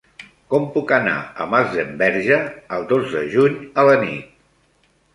Com puc anar a Masdenverge el dos de juny a la nit?